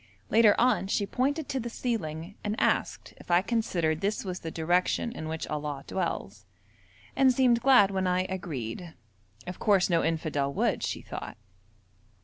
Later on she pointed to the ceiling, and asked if I considered this was the direction in which Allah dwells, and seemed glad when I agreed. Of course no infidel would, she thought.